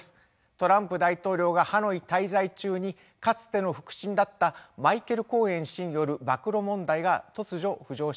トランプ大統領がハノイ滞在中にかつての腹心だったマイケル・コーエン氏による暴露問題が突如浮上しました。